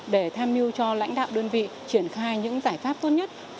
để tham mưu cho lãnh đạo đơn vị triển khai những giải pháp tốt nhất